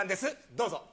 どうぞ。